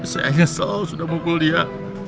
saya kesel sudah mukul dia